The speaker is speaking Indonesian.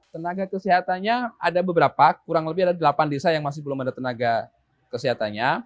tenaga kesehatannya ada beberapa kurang lebih ada delapan desa yang masih belum ada tenaga kesehatannya